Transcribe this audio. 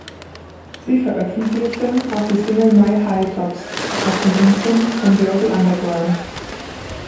Sie veröffentlichten auch die Single „My Hi Tops“ auf dem Imprint von Global Underground.